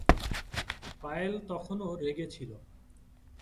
পায়েল তখনও রেগে ছিল।